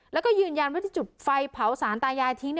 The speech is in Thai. แล้วก็ยืนยันว่าที่จุดไฟเผาสารตายายทิ้ง